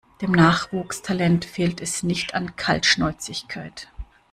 Dem Nachwuchstalent fehlt es nicht an Kaltschnäuzigkeit.